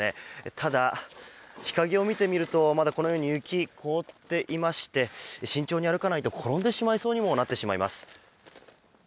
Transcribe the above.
ただ、日陰を見てみるとまだ雪、凍っていまして慎重に歩かないと転んでしまいそうにもなっています。